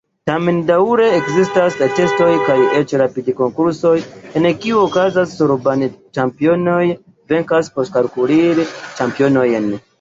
Tamen daŭre ekzistas atestoj kaj eĉ rapidec-konkursoj, en kiuj okazas, ke soroban-ĉampionoj venkas poŝkalkulil-ĉampionojn.